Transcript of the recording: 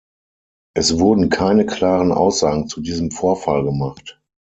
Es wurden keine klaren Aussagen zu diesem Vorfall gemacht.